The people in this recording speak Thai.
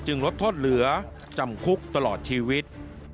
ลดโทษเหลือจำคุกตลอดชีวิต